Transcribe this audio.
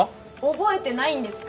覚えてないんですか？